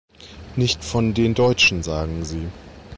Nicht von den Deutschen, sagen sie.